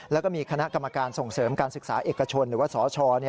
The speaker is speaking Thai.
แล้วก็มีคณะกรรมการส่งเสริมการศึกษาเอกชนหรือว่าสช